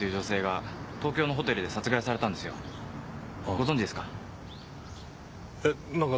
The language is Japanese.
ご存じですか？